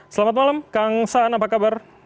selamat malam kang saan apa kabar